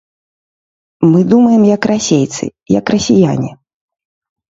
Мы думаем як расейцы, як расіяне.